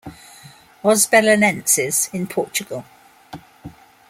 Os Belenenses in Portugal.